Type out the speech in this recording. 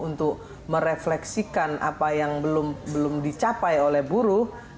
untuk merefleksikan apa yang belum dicapai oleh buruh